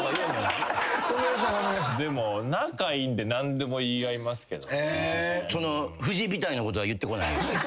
でも仲いいんで何でも言い合いますけど。